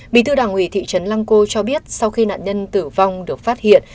bị tư đảng ủy thị trấn lăng cô cho biết sau khi nạn nhân tử vong được phát hiện